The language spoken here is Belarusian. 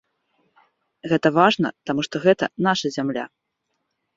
Гэта важна, таму што гэта наша зямля.